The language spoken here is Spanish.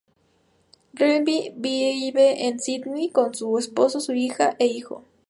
Grenville vive en Sídney con su esposo, su hija e hijo.